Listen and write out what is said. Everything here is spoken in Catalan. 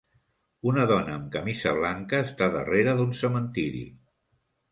Una dona amb camisa blanca està darrere d'un cementiri.